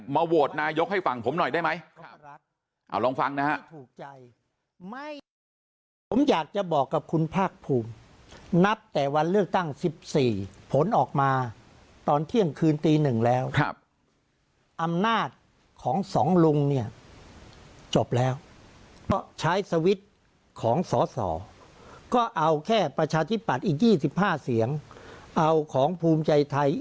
มาโหวตนายกให้ฟังผมหน่อยได้ไหมเอาลองฟังนะฮะ